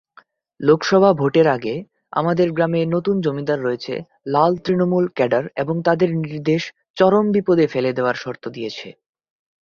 লোকসভা ভোটের আগে, আমাদের গ্রামে নতুন জমিদার রয়েছে ‘লাল তৃণমূল’ ক্যাডার এবং তাদের নির্দেশ চরম বিপদে ফেলে দেওয়ার শর্ত দিয়েছে।